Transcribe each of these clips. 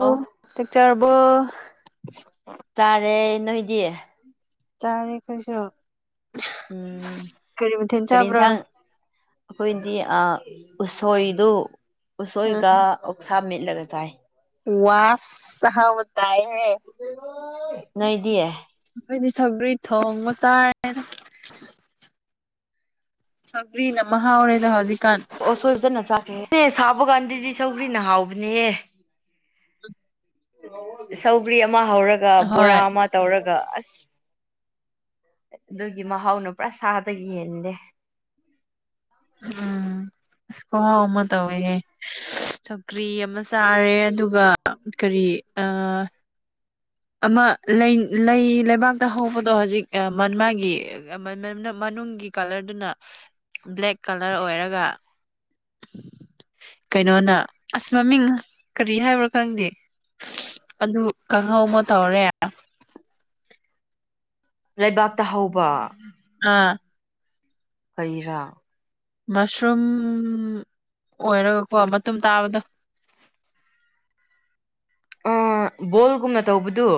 ꯑꯣ꯫ ꯆꯥꯛꯆꯥꯔꯕꯣ꯫ ꯇꯥꯔꯦ ꯅꯣꯏꯗꯤ꯫ ꯆꯥꯔꯦ ꯑꯈꯣꯏꯁꯨ꯫ ꯎꯝ ꯃꯊꯦꯜ ꯀꯔꯤ ꯆꯥꯕ꯭ꯔꯣ ꯏꯟꯁꯥꯡ꯫ ꯑꯩꯈꯣꯏꯗꯤ ꯑꯥ ꯎꯁꯣꯏꯗꯨ ꯎꯁꯣꯏꯒ ꯑꯣꯛꯁꯥ ꯃꯠꯂꯒ ꯆꯥꯏ꯫ ꯋꯥꯁ ꯑꯍꯧꯕ ꯇꯥꯏꯍꯦ꯫ ꯅꯣꯏꯗꯤ꯫ ꯑꯩꯈꯣꯏꯗꯤ ꯁꯧꯒ꯭ꯔꯤ ꯊꯣꯡꯕ ꯆꯥꯌꯦ꯫ ꯁꯧꯒ꯭ꯔꯤꯅ ꯃꯍꯥꯎꯔꯦꯗ ꯍꯧꯖꯤꯛꯀꯥꯟ꯫ ꯑꯣ ꯁꯣꯏꯖꯅ ꯆꯥꯛꯀꯦ ꯁꯥꯕ ꯀꯥꯟꯗꯗꯤ ꯁꯧꯒ꯭ꯔꯤꯅ ꯍꯥꯎꯕꯅꯦꯍꯦ꯫ [inaudible] ꯁꯧꯒ꯭ꯔꯤ ꯑꯃ ꯍꯧꯔꯒ ꯕꯣꯔꯥ ꯍꯣꯏ ꯑꯃ ꯇꯧꯔꯒ ꯑꯁ ꯑꯗꯨꯒꯤ ꯃꯍꯥꯎꯅ ꯄꯨꯔꯥ ꯁꯥꯗ ꯌꯦꯟꯕꯅꯦ꯫ ꯎꯝ ꯑꯁ ꯈꯨꯍꯥꯎ ꯑꯃ ꯇꯧꯋꯦꯍꯦ꯫ ꯁꯧꯒꯔꯤ ꯑꯃ ꯆꯥꯔꯦ ꯑꯗꯨꯒ ꯀꯔꯤ ꯑ ꯑꯃ ꯂꯩ ꯂꯩ ꯂꯩꯕꯥꯛꯇ ꯍꯧꯕꯗꯣ ꯍꯧꯖꯤꯛ ꯃꯟꯃꯥꯒꯤ ꯃꯅꯨꯡꯒꯤ ꯀꯂꯔꯗꯨꯅ ꯕ꯭ꯂꯦꯛ ꯀꯂꯔ ꯑꯣꯏꯔꯒ꯫ ꯀꯩꯅꯣꯅ ꯑꯁ ꯃꯃꯤꯡ ꯀꯔꯤ ꯍꯥꯏꯕ꯭ꯔꯥ ꯈꯪꯗꯦ꯫ ꯑꯗꯨ ꯀꯥꯡꯍꯧ ꯑꯃ ꯇꯧꯔꯦ꯫ ꯂꯩꯕꯥꯛꯇ ꯍꯧꯕ꯫ ꯑꯥ꯫ ꯀꯔꯤꯔ꯫ ꯃꯁꯔꯨꯝ ꯑꯣꯏꯔꯒꯀꯣ ꯃꯇꯨꯝ ꯇꯥꯕꯗꯨ꯫ ꯑꯥ ꯕꯣꯜꯒꯨꯝꯅ ꯇꯧꯕꯗꯨ꯫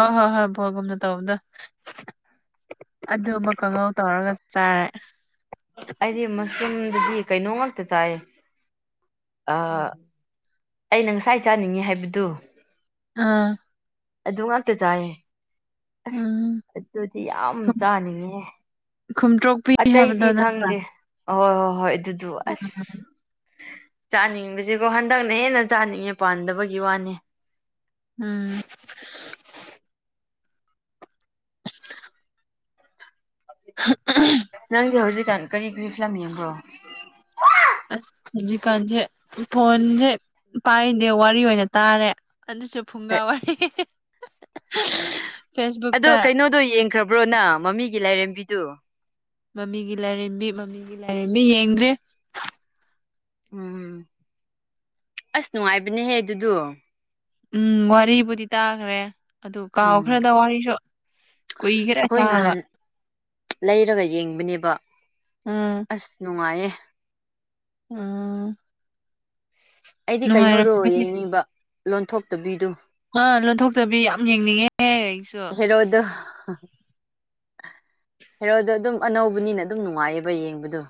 ꯍꯣꯏ ꯍꯣꯏ ꯍꯣꯏ ꯕꯣꯒꯨꯝꯅ ꯇꯧꯕꯗꯨ꯫ ꯑꯗꯨꯝꯃ ꯀꯥꯡꯍꯧ ꯇꯧꯔꯒ ꯆꯥꯔꯦ꯫ ꯑꯩꯗꯤ ꯃꯁꯔꯨꯝꯗꯗꯤ ꯀꯩꯅꯣ ꯉꯥꯛꯇ ꯆꯥꯏꯌꯦ꯫ ꯑ ꯑꯩꯅ ꯉꯁꯥꯏ ꯆꯥꯅꯤꯡꯉꯤ ꯍꯥꯏꯕꯗꯨ꯫ ꯑꯥ꯫ ꯑꯗꯨ ꯉꯥꯛꯇ ꯆꯥꯏꯌꯦ ꯑꯁ ꯎꯝ ꯑꯗꯨꯗꯤ ꯌꯥꯝ ꯆꯥꯅꯤꯡꯉꯦ꯫ ꯈꯨꯝꯇ꯭ꯔꯣꯛꯄꯤ ꯍꯥꯏꯕꯗꯣ ꯑꯇꯩꯗꯤ ꯅꯠꯇ꯭ꯔꯥ ꯈꯪꯗꯦ ꯍꯣꯏ ꯍꯣꯏ ꯍꯣꯏ ꯑꯗꯨꯗꯨ ꯑꯁ꯫ ꯆꯥꯅꯤꯡꯕꯁꯤꯀꯣ ꯍꯟꯗꯛꯅ ꯍꯦꯟꯅ ꯆꯥꯅꯤꯡꯉꯦ ꯄꯥꯟꯗꯕꯒꯤ ꯋꯥꯅꯦ꯫ ꯎꯝ꯫ [unintelligible] ꯅꯪꯗꯤ ꯍꯧꯖꯤꯛꯀꯥꯟ ꯀꯔꯤ ꯀꯔꯤ ꯐꯤꯂꯝ ꯌꯦꯡꯕ꯭ꯔꯣ꯫ ꯑꯁ ꯍꯧꯖꯤꯛꯀꯥꯟꯁꯦ ꯐꯣꯟꯁꯦ꯫ ꯄꯥꯏꯗꯦ ꯋꯥꯔꯤ ꯑꯣꯏꯅ ꯇꯥꯔꯦ ꯑꯗꯨꯁꯨ ꯐꯨꯡꯒꯥ ꯋꯥꯔꯤ꯫ [unintelligible] ꯑꯗꯣ ꯀꯩꯅꯣꯗꯣ ꯌꯦꯡꯈ꯭ꯔꯕ꯭ꯔꯣꯅ ꯃꯃꯤꯒꯤ ꯂꯥꯏꯔꯦꯝꯕꯤꯗꯨ ꯃꯃꯤꯒꯤ ꯂꯥꯏꯔꯦꯝꯕꯤ ꯃꯃꯤꯒꯤ ꯂꯥꯏꯔꯦꯝꯕꯤ ꯌꯦꯡꯗ꯭ꯔꯦ ꯎꯝ ꯑꯁ ꯅꯨꯡꯉꯥꯏꯕꯅꯦꯍꯦ ꯑꯗꯨꯗꯣ ꯎꯝ ꯋꯥꯔꯤꯕꯨꯗꯤ ꯇꯥꯈ꯭ꯔꯦ ꯑꯗꯨ ꯀꯥꯎ ꯎꯝ ꯈꯔꯗ ꯋꯥꯔꯤꯁꯨ ꯀꯥꯎꯈꯔꯦ ꯑꯩꯈꯣꯏ ꯇꯥꯕ ꯅꯍꯥꯟ ꯂꯩꯔꯒ ꯌꯦꯡꯕꯅꯦꯕ ꯎꯝ ꯑꯁ ꯅꯨꯡꯉꯥꯏꯌꯦ ꯑꯥ ꯑꯩꯗꯤ ꯀꯩꯅꯣꯗꯣ ꯅꯨꯡꯉꯥꯏꯔꯝꯒꯅꯤ ꯌꯦꯡꯅꯤꯡꯕ ꯂꯣꯟꯊꯣꯛꯇꯕꯤꯗꯨ ꯑꯥ ꯂꯣꯟꯊꯣꯛꯇꯕꯤ ꯌꯥꯝ ꯌꯦꯡꯅꯤꯡꯉꯦꯍꯦ ꯑꯩꯁꯨ ꯍꯦꯔꫭꯗꫭ ꯍꯔꯣꯗ ꯑꯗꯨꯝ ꯑꯅꯧꯕꯅꯤꯅ ꯑꯗꯨꯝ ꯅꯨꯡꯉꯥꯏꯌꯦꯕ ꯌꯦꯡꯕꯗꯣ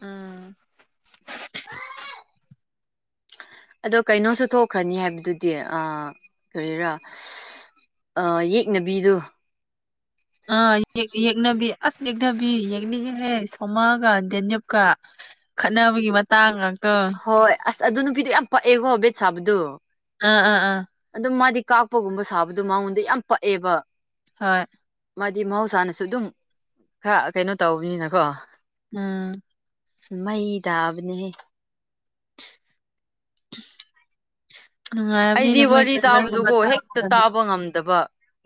ꯎꯨꯝ ꯑꯗꯣ ꯀꯩꯅꯣꯁꯨ ꯊꯣꯛꯈ꯭ꯔꯅꯤ ꯍꯥꯏꯕꯗꯨꯗꯤ ꯑ ꯀꯔꯤꯔꯥ ꯑ ꯌꯦꯛꯅꯕꯤꯗꯨ ꯑ ꯌꯦ ꯌꯦꯛꯅꯕꯤ ꯑꯁ ꯌꯦꯛꯅꯕꯤ ꯌꯦꯛꯅꯤꯡ ꯍꯦ ꯁꯣꯃꯥꯒ ꯗꯦꯅꯤꯞ ꯀ ꯈꯠꯅꯕꯒꯤ ꯃꯇꯥꯡ ꯉꯥꯛꯇ ꯍꯣꯏ ꯑꯁ ꯑꯗꯨ ꯅꯨꯄꯤꯗꯨ ꯌꯥꯝ ꯄꯛꯑꯦꯀꯣ ꯕꯦꯠ ꯁꯥꯕꯗꯣ ꯑꯥ ꯑꯥ ꯑꯥ ꯑꯗꯨꯝ ꯃꯥꯗꯤ ꯀꯥꯛꯄꯒꯨꯝꯕ ꯁꯥꯕꯗꯣ ꯃꯉꯣꯟꯗ ꯌꯥꯝ ꯄꯛꯑꯦꯕ ꯍꯣꯏ ꯃꯥꯗꯤ ꯃꯍꯧꯁꯥꯅꯁꯨ ꯑꯗꯨꯝ ꯈꯔ ꯀꯩꯅꯣ ꯇꯧꯕꯅꯤꯅꯀꯣ ꯎꯨꯝ ꯃꯩ ꯇꯥꯕꯅꯤꯍ [unintelligible] ꯅꯨꯡꯉꯥꯏꯕꯅꯤꯅꯦ ꯑꯩꯗꯤ ꯃꯣꯏ ꯋꯥꯔꯤ ꯇ꯭ꯔꯦꯂꯔꯒꯨꯝꯕ ꯇꯥꯕꯗꯨꯒꯣ ꯊꯥꯔꯛꯄ ꯍꯦꯛꯇ ꯀꯥꯟꯗ ꯇꯥꯕ ꯉꯝꯗꯕ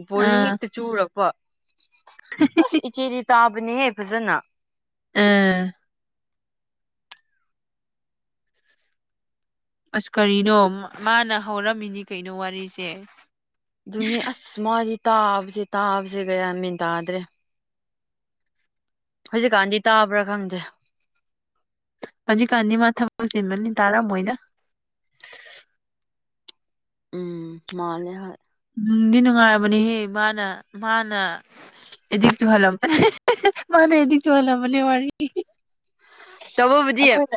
ꯕꯣꯔꯤꯡ ꯑꯥ ꯍꯦꯛꯇ ꯆꯨꯔꯛꯄ ꯑꯁ ꯏꯆꯦꯗꯤ ꯇꯥꯕꯅꯤꯍꯦ ꯐꯖꯅ ꯑꯥ ꯑꯁ ꯀꯔꯤꯅꯣ ꯃꯥꯅ ꯍꯧꯔꯝꯃꯤꯅꯤ ꯀꯩꯅꯣ ꯋꯥꯔꯤꯁꯦ ꯑꯗꯨꯅꯦ ꯑꯁ ꯃꯥꯗꯤ ꯇꯥꯕꯁꯦ ꯇꯥꯕꯁꯦ ꯀꯌꯥ ꯃꯦꯟ ꯇꯥꯗ꯭ꯔꯦ ꯍꯧꯖꯤꯛꯀꯥꯟꯗꯤ ꯇꯥꯕ꯭ꯔꯥ ꯈꯪꯗꯦ ꯍꯧꯖꯤꯛ ꯀꯥꯟꯗꯤ ꯃꯥ ꯊꯕꯛꯁꯤꯟꯕꯅꯤ ꯇꯥꯔꯝꯣꯏꯅ ꯎꯝ ꯃꯥꯅꯦ ꯍꫭꯏ ꯅꯨꯡꯗꯤ ꯅꯨꯡꯉꯥꯏꯔꯕꯅꯤꯍꯦ ꯃꯥꯅ ꯃꯥꯅ ꯑꯦꯗꯤꯁꯨꯍꯜ ꯃꯥꯅ ꯑꯦꯗꯤꯁꯨꯍ ꯃꯅꯤ ꯋꯥꯔꯤ ꯇꯧꯕꯕꯨꯗꯤ ꯑꯩꯈꯣꯏꯅ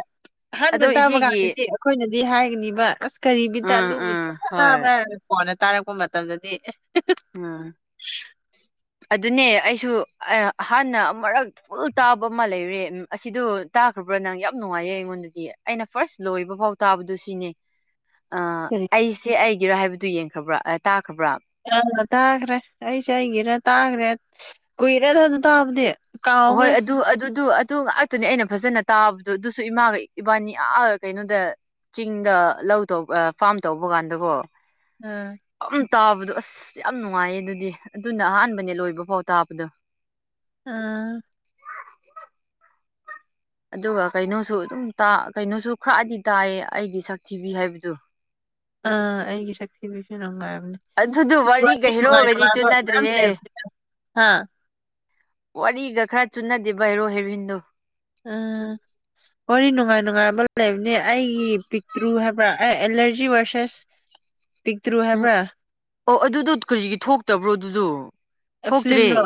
ꯑꯍꯥꯟꯕ ꯑꯗꯣ ꯇꯥꯕ ꯏꯆꯦꯒꯤ ꯀꯥꯟꯗꯗꯤ ꯑꯩꯈꯣꯏꯅꯗꯤ ꯍꯥꯏꯒꯅꯤꯕ ꯑꯁ ꯀꯔꯤꯕꯤꯠꯇ ꯎꯝ ꯎꯝ ꯑꯗꯨꯕꯨꯅ ꯍꯣꯏ ꯇꯥꯕ꯭ꯔꯥ ꯍꯥꯏ ꯀꫭꯟꯅ ꯇꯥꯔꯛꯄ ꯄꯄ ꯃꯇꯝꯗꯗꯤ ꯎꯝ ꯑꯗꯨꯅꯦ ꯑꯩꯁꯨ ꯍꯥꯟꯅ ꯑꯃꯨꯔꯛ ꯇꯥꯕ ꯑꯃ ꯂꯩꯔꯦ ꯑꯁꯤꯗꯣ ꯇꯥꯈ꯭ꯔꯕ꯭ꯔꯥ ꯅꯪ ꯌꯥꯝ ꯅꯨꯡꯉꯥꯏꯌꯦ ꯑꯩꯉꯣꯟꯗꯗꯤ ꯑꯩꯅ ꯐꯥꯔꯁ ꯂꯣꯏꯕ ꯐꯥꯎ ꯇꯥꯕꯗꯨ ꯁꯤꯅꯦ [unintelligible] ꯑ ꯑꯩꯁꯦ ꯑꯩꯒꯤꯔꯣ ꯍꯥꯏꯕꯗꯨ ꯌꯦꯡꯈ꯭ꯔꯕ꯭ꯔꯥ ꯑꯥ ꯇꯥꯈ꯭ꯔꯕ꯭ꯔꯥ ꯑꯥ ꯇꯥꯈ꯭ꯔꯦ ꯑꯩꯁꯦ ꯑꯩꯒꯤꯔ ꯇꯥꯈ꯭ꯔꯦ ꯀꯨꯏꯔꯦꯗ ꯑꯗꯨ ꯇꯥꯕꯗꯤ ꯍꯣꯏ ꯀꯥꯎꯈ꯭ꯔꯦ ꯑꯗꯨꯗꯨ ꯑꯗꯨꯗꯨ ꯑꯗꯨ ꯉꯥꯛ ꯑꯗꯨꯅꯤ ꯑꯩꯅ ꯐꯖꯅ ꯇꯥꯕꯗꯣ ꯑꯗꯨꯁꯨ ꯏꯃꯥꯒ ꯏꯕꯥꯅꯤ ꯑ ꯀꯩꯅꯣꯗ ꯆꯤꯡꯗ ꯂꯧꯇꯧꯕ ꯄꯥꯝ ꯇꯧꯕ ꯀꯥꯟꯗꯕꯣ ꯎꯝ ꯑꯗꯨ ꯇꯥꯕꯗꯣ ꯑꯁ ꯌꯥꯝ ꯅꯨꯡꯉꯥꯏꯌꯦ ꯑꯗꯨꯗꯤ ꯑꯗꯨꯅ ꯑꯍꯥꯟꯕꯅꯦ ꯂꯣꯏꯕ ꯐꯥꯎ ꯇꯥꯕꯗꯣ ꯎꯨꯝ ꯑꯗꯨꯒ ꯀꯩꯅꯣꯁꯨ ꯑꯗꯨꯝ ꯇꯥ ꯀꯩꯅꯣꯁꯨ ꯈꯔꯗꯤ ꯇꯥꯏꯌꯦ ꯑꯩꯒꯤ ꯁꯛꯊꯤꯕꯤ ꯍꯥꯏꯕꯗꯨ ꯑꯥ ꯑꯩꯒꯤ ꯁꯛꯊꯤꯕꯤꯁꯨ ꯅꯨꯡꯉꯥꯏꯕꯅꯦ ꯑꯗꯨꯗꯨ ꯑꯁ ꯋꯥꯔꯤ ꯋꯥꯔꯤꯒ ꯅꯨꯡꯉꯥꯏ ꯍꯤꯔꯣꯒꯗꯤ ꯅꯨꯡꯉꯥꯏꯕ ꯃꯌꯥꯝ ꯆꯨꯅꯗ꯭ꯔꯦꯍꯦ ꯂꯩꯕꯅꯤꯗ ꯍꯥ ꯋꯥꯔꯤꯒ ꯈꯔ ꯆꯨꯅꯗꯦꯕ ꯍꯦꯔꯣ ꯍꯦꯔꯣꯏꯟꯗꯣ ꯑꯥ ꯋꯥꯔꯤ ꯅꯨꯡꯉꯥꯏ ꯅꯨꯡꯉꯥꯏꯕ ꯂꯩꯕꯅꯤ ꯑꯩꯒꯤ ꯄꯤꯛꯇ꯭ꯔꯨ ꯍꯥꯏꯕ꯭ꯔꯥ ꯑꯦ ꯑꯦꯂꯔꯖꯤ ꯚꯔꯁꯦꯁ ꯄꯤꯛꯇ꯭ꯔꯨ ꯎꯝ ꯍꯥꯏꯕ꯭ꯔꯥ ꯑꯣ ꯑꯗꯨꯗꯨ ꯀꯔꯤꯒꯤ ꯊꯣꯛꯇꯕ꯭ꯔꯣ ꯑꯗꯨꯗꯨ ꯑꯦ ꯐꯂꯤꯝ ꯔꯣ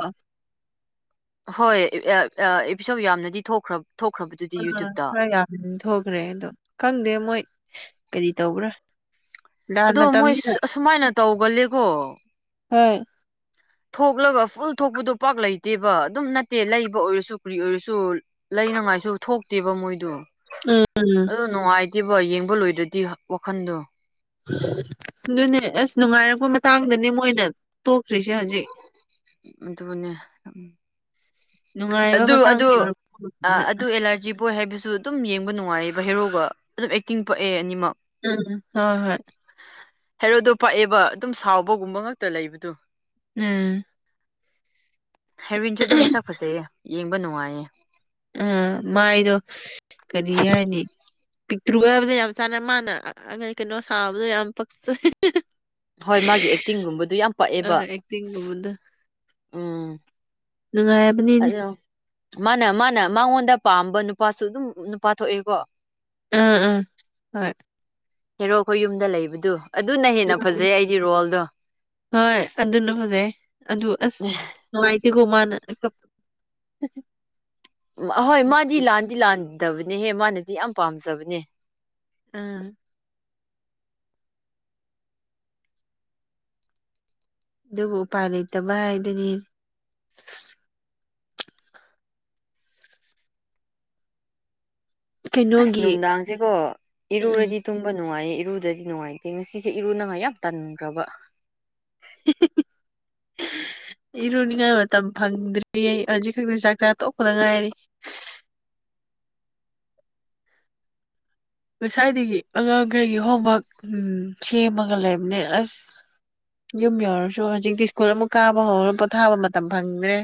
ꯍꯣꯏ [unintelligible] ꯑꯦꯄꯤꯁꯣꯠ ꯌꯥꯝꯅꯗꯤ ꯊꯣꯛꯈ꯭ꯔ ꯊꯣꯛꯈ꯭ꯔꯕꯗꯨꯠ ꯑ ꯈꯔ ꯌꯥꯝ ꯊꯣꯛꯈ꯭ꯔꯦ ꯑꯗꯣ ꯈꯪꯗꯦ ꯃꯣꯏ ꯀꯔꯤ ꯇꯧꯕ꯭ꯔꯥ ꯂꯥꯟ ꯑꯗꯣ ꯃꯣꯏ ꯃꯇꯝꯅꯤꯅ ꯑꯁꯨꯃꯥꯏꯅ ꯇꯧꯒꯜꯂꯦꯀꯣ ꯍꯣꯏ ꯊꯣꯛꯂꯒ ꯐꯨꯜ ꯊꯣꯛꯄꯗꯣ ꯄꯥꯛ ꯂꯩꯇꯦꯕ ꯑꯗꯨꯝ ꯅꯠꯇꯦ ꯂꯩꯕ ꯑꯣꯏꯔꯁꯨ ꯀꯔꯤ ꯑꯣꯏꯔꯁꯨ ꯂꯩꯅꯉꯥꯏꯁꯨ ꯊꯣꯛꯇꯦꯕ ꯃꯣꯏꯗꯨ ꯎꯝ ꯑꯗꯨ ꯅꯨꯡꯉꯥꯏꯇꯦꯕ ꯌꯦꯡꯕ ꯂꯣꯏꯗ꯭ꯔꯗꯤ ꯋꯥꯈꯟꯗꯨ ꯑꯗꯨꯅꯦ ꯑꯁ ꯅꯨꯡꯉꯥꯏꯔꯛꯄ ꯃꯇꯥꯡꯗꯅꯦ ꯃꯣꯏꯅ ꯇꯣꯛꯈ꯭ꯔꯤꯁꯦ ꯍꯧꯖꯤꯛ ꯑꯗꯨꯅꯦ ꯅꯨꯡꯉꯥꯏꯕ ꯑꯗꯨ ꯃꯇꯥꯡ ꯑꯗꯨ ꯌꯧꯔꯛꯄ ꯃꯇꯝꯗ ꯑꯗꯨ ꯑꯦꯂꯔꯖꯤ ꯕꯣꯏ ꯍꯥꯏꯕꯁꯨ ꯑꯗꯨꯝ ꯌꯦꯡꯕ ꯅꯨꯡꯉꯥꯏꯌꯦꯕ ꯍꯦꯔꯣꯒ ꯑꯗꯨꯝ ꯑꯦꯛꯇꯤꯡ ꯄꯛꯑꯦ ꯑꯅꯤꯃꯛ ꯎꯝ ꯍꯣꯏ ꯍꯣꯏ ꯍꯦꯔꯣꯗꯨ ꯄꯛꯑꯦꯕ ꯑꯗꯨꯝ ꯁꯥꯎꯕꯒꯨꯝꯕ ꯉꯛꯇ ꯂꯩꯕꯗꯨ ꯎꯝ ꯍꯦꯔꯣꯏꯟꯖꯨ ꯑꯗꯨꯝ ꯃꯁꯛ ꯐꯖꯩꯌꯦ ꯌꯦꯡꯕ ꯅꯨꯡꯉꯥꯏꯌꯦ ꯑ ꯃꯥꯏꯗꯣ ꯀꯔꯤ ꯍꯥꯏꯅꯤ ꯄꯤꯛꯇ꯭ꯔꯨꯒ ꯍꯥꯏꯕꯗꯨ ꯌꯥꯝ ꯆꯥꯟꯅꯩ ꯃꯥꯅ [unintelligible] ꯀꯩꯅꯣ ꯁꯥꯕꯗꯣ ꯌꯥꯝ ꯄꯛꯆꯩ ꯍꯣꯏ ꯃꯥꯒꯤ ꯑꯦꯛꯇꯤꯡꯒꯨꯝꯕꯗꯨ ꯌꯥꯝ ꯄꯛꯑꯦꯕ ꯇꯤꯡ ꯃꯉꯣꯟꯗ ꯎꯝ ꯅꯨꯡꯉꯥꯏ ꯑꯗꯣ ꯃꯥꯅ ꯃꯥꯅ ꯃꯉꯣꯟꯗ ꯄꯥꯝꯕ ꯅꯨꯄꯥꯁꯨ ꯑꯗꯨꯝ ꯅꯨꯄꯥ ꯊꯣꯛꯑꯦꯀꯣ ꯎꯝ ꯎꯝ ꯍꯣꯏ ꯍꯦꯔꯣ ꯈꯣꯏ ꯌꯨꯝꯗ ꯂꯩꯕꯗꯨ ꯑꯗꯨꯅ ꯍꯦꯟꯅ ꯐꯖꯩ ꯑꯩꯗꯤ ꯔꯣꯜꯗꯣ ꯍꯣꯏ ꯑꯗꯨꯅ ꯐꯖꯩ ꯑꯗꯨ ꯑꯁ ꯅꯨꯡꯉꯥꯏꯇꯦꯀꯣ ꯃꯥꯅ ꯀꯞ ꯑꯍꯣꯏ ꯃꯥꯗꯤ ꯂꯥꯟꯗꯤ ꯂꯥꯟꯗꯕꯅꯦꯍꯦ ꯃꯥꯅꯗꯤ ꯌꯥꯝ ꯄꯥꯝꯖꯕꯅꯦ ꯎꯝ ꯑꯗꯨꯕꯨ ꯎꯄꯥꯏ ꯂꯩꯇꯕ ꯍꯥꯏꯗꯨꯅꯤ ꯑꯁ ꯀꯩꯅꯣꯒꯤ ꯅꯨꯡꯗꯥꯡꯖꯦꯀꯣ ꯎꯝ ꯏꯔꯨꯔꯗꯤ ꯇꯨꯝꯕ ꯅꯨꯡꯉꯥꯏꯌꯦ ꯏꯔꯨꯗꯗꯤ ꯅꯨꯡꯉꯥꯏꯇꯦ ꯉꯁꯤꯁꯦ ꯏꯔꯨꯅꯉꯥꯏ ꯌꯥꯝ ꯇꯟꯒ꯭ꯔꯕ [unintelligible] ꯏꯔꯨꯅꯤꯡꯉꯥꯏ ꯃꯇꯝ ꯐꯪꯗ꯭ꯔꯤ ꯑꯩ ꯍꯧꯖꯤꯛ ꯈꯛꯇ ꯆꯥꯛ ꯆꯥ ꯇꯣꯛꯄꯗ ꯉꯥꯏꯔꯤ ꯉꯁꯥꯏꯗꯒꯤ ꯑꯉꯥꯡꯈꯩꯒꯤ ꯍꯣꯝꯋꯥꯛ ꯎꯝ ꯁꯦꯝꯃꯒ ꯂꯩꯕꯅꯦ ꯑꯁ ꯌꯨꯝ ꯌꯧꯔꯁꯨ ꯍꯧꯖꯤꯛꯇꯤ ꯁ꯭ꯀꯨꯜ ꯑꯃꯨꯛ ꯀꯥꯕ ꯍꯧꯔ ꯄꯣꯊꯥꯕ ꯃꯇꯝ ꯐꯪꯗ꯭ꯔꯦ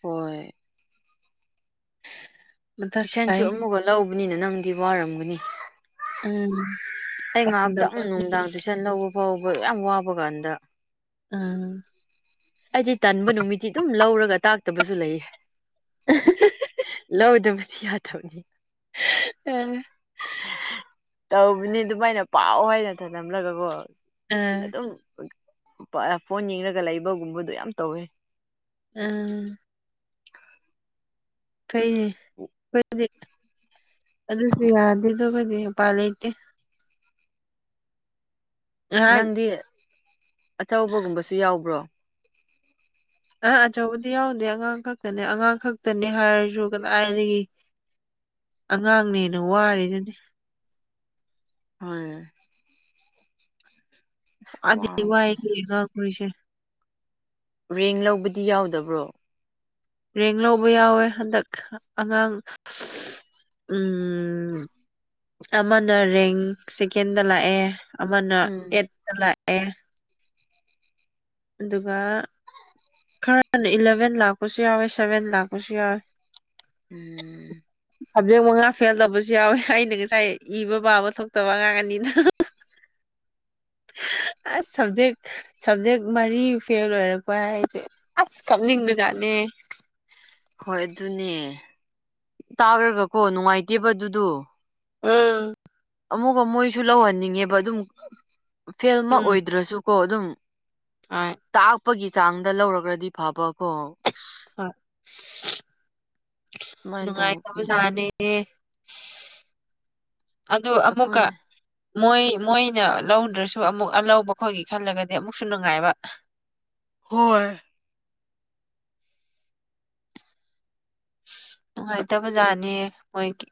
ꯍꯣꯏ ꯃꯊꯥ ꯇꯨꯏꯁꯟꯁꯨ ꯁꯥꯏ ꯑꯃꯨꯛꯒ ꯂꯧꯕꯅꯤꯅ ꯅꯪꯗꯤ ꯋꯥꯔꯝꯒꯅꯤ ꯎꯝ ꯑꯩ ꯉꯥꯏꯍꯥꯛꯇꯪ ꯅꯨꯡꯗꯥꯡ ꯇꯨꯏꯁꯟ ꯂꯧꯕ ꯐꯥꯎꯕ ꯌꯥꯝ ꯋꯥꯕ ꯀꯥꯟꯗ ꯎꯝ ꯑꯩꯗꯤ ꯇꯟꯕ ꯅꯨꯃꯤꯠꯇꯤ ꯑꯗꯨꯝ ꯂꯧꯔꯒ ꯇꯥꯛꯇꯕꯁꯨ ꯂꯩꯌꯦ ꯂꯧꯗꯕꯗꯤ ꯌꯥꯗꯕꯅꯤ ꯑꯦ ꯇꯧꯕꯅꯤ ꯑꯗꯨꯃꯥꯏꯅ ꯄꯥꯎ ꯍꯥꯏꯅ ꯊꯂꯝꯂꯒꯀꯣ ꯑꯗꯨꯝ ꯐꯣꯟ ꯌꯦꯡꯂꯒ ꯂꯩꯕꯒꯨꯝꯕꯗꯣ ꯌꯥꯝ ꯇꯧꯋꯦ ꯑꯝ ꯐꯩꯅꯦ ꯑꯩꯈꯣꯏꯗꯤ ꯑꯗꯨꯁꯨ ꯌꯥꯗꯦꯗꯣ ꯑꯩꯈꯣꯏꯗꯤ ꯎꯄꯥꯏ ꯂꯩꯇꯦ ꯉꯥꯏꯍꯥꯛ ꯅꯪꯗꯤ ꯑꯆꯧꯕꯒꯨꯝꯕꯁꯨ ꯌꯥꯎꯕ꯭ꯔꯣ ꯑꯥ ꯑꯆꯧꯕꯗꯤ ꯌꯥꯎꯗꯦ ꯑꯉꯥꯡ ꯈꯛꯇꯅꯦ ꯑꯉꯥꯡ ꯈꯛꯇꯅꯦ ꯍꯥꯏꯔꯖꯨ ꯀꯥꯗꯥꯏꯗꯒꯤ ꯑꯉꯥꯡꯅꯦꯅ ꯋꯥꯔꯤꯗꯨꯅꯤ ꯃꯥꯅꯦ ꯋꯥꯗꯤ ꯋꯥꯕꯅꯦ ꯋꯥꯏꯒꯦꯒ ꯑꯩꯈꯣꯏꯁꯦ ꯔꯦꯡ ꯂꯧꯕꯗꯤ ꯌꯥꯎꯗꯕ꯭ꯔꯣ ꯔꯦꯡ ꯂꯧꯕ ꯌꯥꯎꯋꯦ ꯍꯟꯗꯛ ꯑꯉꯥꯡ ꯎꯝ ꯑꯃꯅ ꯔꯦꯡ ꯁꯦꯀꯦꯟꯗ ꯂꯥꯛꯑꯦ ꯑꯃꯅ ꯎꯝ ꯑꯩꯠꯇꯠꯇ ꯂꯥꯛꯑꯦ ꯑꯗꯨꯒ ꯈꯔꯅ ꯏꯂꯥꯚꯦꯟ ꯂꯥꯛꯄꯁꯨ ꯌꯥꯎꯋꯦ ꯁꯚꯦꯟ ꯂꯥꯛꯄꯁꯨ ꯌꯥꯎꯋꯦ ꯎꯝ [unintelligible] ꯁꯕꯖꯦꯛ ꯃꯉꯥ ꯐꯦꯜ ꯇꯧꯕꯁꯨ ꯌꯥꯎꯋꯦ ꯑꯩꯅ ꯉꯁꯥꯏ ꯏꯕ ꯄꯥꯕ ꯊꯣꯛꯇꯕ ꯑꯉꯥꯡ ꯑꯅꯤꯗꯣ ꯑꯁ ꯁꯕꯖꯦꯛ ꯁꯕꯖꯦꯛ ꯃꯔꯤ ꯐꯦꯜ ꯑꯣꯏꯔꯛꯄ ꯍꯩꯖꯦ ꯑꯁ ꯀꯥꯞꯅꯤꯡꯕꯖꯥꯠꯅꯦ ꯍꯣꯏ ꯑꯗꯨꯅꯦ ꯇꯥꯔꯔꯒꯀꯣ ꯅꯨꯡꯉꯥꯏꯇꯦꯕ ꯑꯗꯨꯗꯣ ꯑꯥ ꯑꯃꯨꯛꯀꯥ ꯃꯣꯏꯁꯨ ꯂꯧꯍꯟꯅꯤꯡꯉꯦꯕ ꯑꯗꯨꯝ ꯐꯦꯜ ꯑꯃ ꯑꯣꯏꯗ꯭ꯔꯁꯨꯀꯣ ꯑꯗꯨꯝ ꯑꯥꯏ ꯇꯥꯛꯄꯒꯤ ꯆꯥꯡꯗ ꯂꯧꯔꯒ꯭ꯔꯗꯤ ꯐꯕꯀꯣ ꯍꯣꯏ ꯑꯗꯨꯃꯥꯏꯅ ꯇꯧꯕꯅꯦ ꯅꯨꯡꯉꯥꯏꯇꯕꯖꯥꯅꯤ ꯑꯦ ꯑꯗꯨ ꯑꯩꯈꯣꯏ ꯑꯃꯨꯛꯀꯥ ꯃꯣꯏ ꯃꯣꯏꯅ ꯂꯧꯗ꯭ꯔꯁꯨ ꯑꯃꯨꯛ ꯑꯂꯧꯕ ꯈꯣꯏꯒꯤ ꯈꯜꯂꯒꯗꯤ ꯑꯃꯨꯛꯁꯨ ꯅꯨꯡꯉꯥꯏꯕ ꯍꯣꯏ ꯅꯨꯡꯉꯥꯏꯇꯕꯖꯥꯠꯅꯤ ꯃꯣꯏꯒꯤ